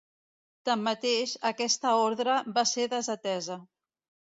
Tanmateix, aquesta ordre va ser desatesa.